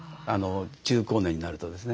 中高年になるとですね。